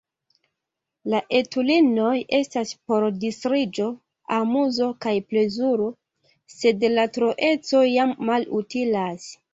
La etulinoj estas por distriĝo, amuzo kaj plezuro, sed la troeco jam malutilas!